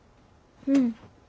うん。